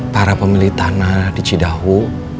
para pemilih tanah di cedaho